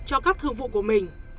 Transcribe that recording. do các thương vụ của mình